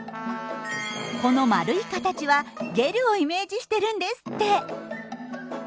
この丸い形は「ゲル」をイメージしてるんですって！